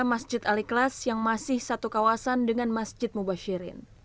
masjid al ikhlas yang masih satu kawasan dengan masjid mubashirin